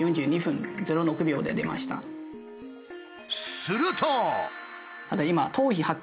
すると。